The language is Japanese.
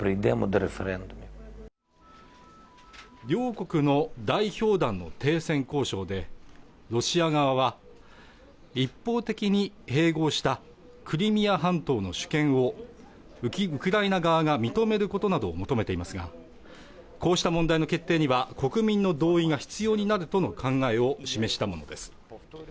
両国の代表団の停戦交渉でロシア側は一方的に併合したクリミア半島の主権をウクライナ側が認めることなどを求めていますがこうした問題の決定には国民の同意が必要になるとの考えを示したものです